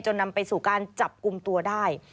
นำไปสู่การจับกลุ่มตัวได้